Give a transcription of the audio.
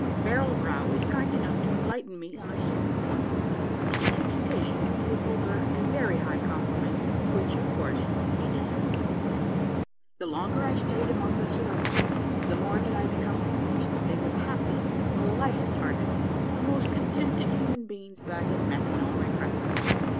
— BARREL BROW IS KIND ENOUGH TO ENLIGHTEN ME ON A CERTAIN POINT, AND HE TAKES OCCASION TO PAY BULGER A VERY HIGH COMPLIMENT, WHICH, OF COURSE, HE DESERVED. The longer I stayed among the Soodopsies the more did I become convinced that they were the happiest, the lightest hearted, the most contented human beings that I had met in all my travels.